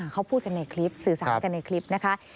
เขาพูดกันในคลิปสื่อสารกันในคลิปนะคะ